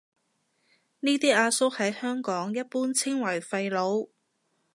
呢啲阿叔喺香港一般稱為廢老